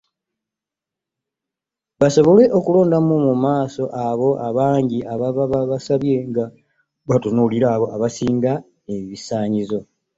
Basobole okulondamu mu abo abangi ababa basabye nga batunuulira aba asinga n'ebisaanyizo.